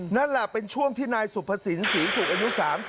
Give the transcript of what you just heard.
นั่นแหละเป็นช่วงที่นายสุภสินศรีศุกร์อายุ๓๐